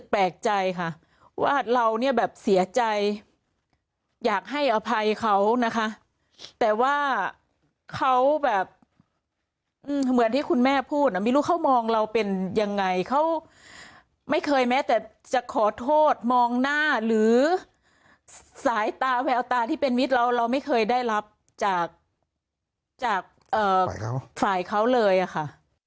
แปลกใจค่ะว่าเราเนี่ยแบบเสียใจอยากให้อภัยเขานะคะแต่ว่าเขาแบบเหมือนที่คุณแม่พูดอ่ะไม่รู้เขามองเราเป็นยังไงเขาไม่เคยแม้แต่จะขอโทษมองหน้าหรือสายตาแววตาที่เป็นมิตรเราเราไม่เคยได้รับจากจากฝ่ายเขาเลยอะค่ะ